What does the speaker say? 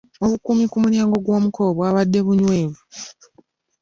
Obukuumi ku mulyango g'womukolo bwabadde bunywevu.